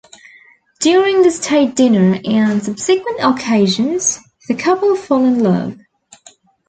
During the State dinner and subsequent occasions, the couple fall in love.